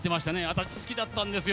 私好きだったんですよ